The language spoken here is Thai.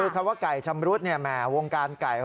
ไก่ชำรุดเนี่ยแหมวงการไก่